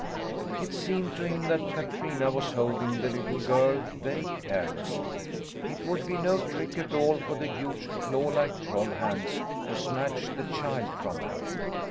It seemed to him that Katrina was holding the little girl very carelessly. It would be no trick at all for the huge clawlike troll hands to snatch the child from her.